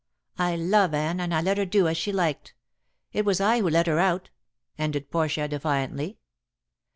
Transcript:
I love Anne, and I let her do as she liked. It was I who let her out," ended Portia, defiantly.